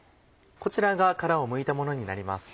こちらが殻をむいたものになります。